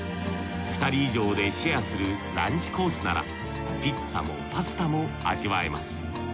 ２人以上でシェアするランチコースならピッツァもパスタも味わえます。